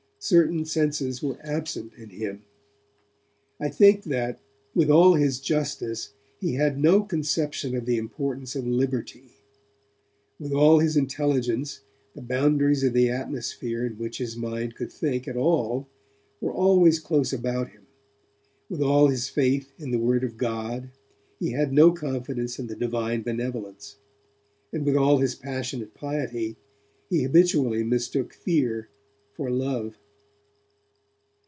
Certain senses were absent in him; I think that, with all his justice, he had no conception of the importance of liberty; with all his intelligence, the boundaries of the atmosphere in which his mind could think at all were always close about him; with all his faith in the Word of God, he had no confidence in the Divine Benevolence; and with all his passionate piety, he habitually mistook fear for love.